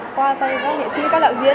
qua các nghệ sĩ các đạo diễn